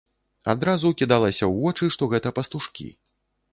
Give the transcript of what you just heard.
Адразу кідалася ў вочы, што гэта пастушкі.